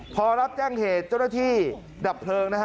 พอรับแจ้งเหตุเจ้าหน้าที่ดับเพลิงนะฮะ